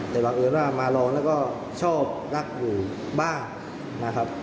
แต่บังเอิญว่ามาลองแล้วก็ชอบรักอยู่บ้างนะครับ